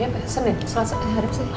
besok hari spesial loh